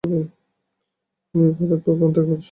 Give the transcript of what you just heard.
আপনি ও father Pope আমার আন্তরিক শ্রদ্ধা প্রীতি জানবেন।